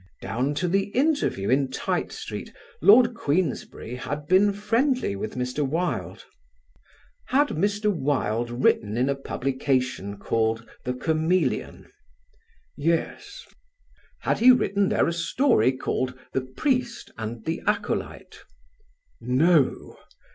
Down to the interview in Tite Street Lord Queensberry had been friendly with Mr. Wilde. "Had Mr. Wilde written in a publication called The Chameleon?" "Yes." "Had he written there a story called 'The Priest and the Acolyte'?" "No."